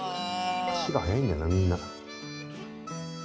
足が速いんだよなみんな。